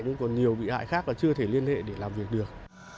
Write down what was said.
nhưng còn nhiều bị hại khác là chưa thể liên hệ để làm việc được